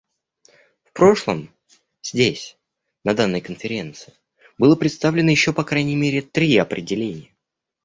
В прошлом здесь, на данной Конференции, было представлено еще по крайней мере три определения.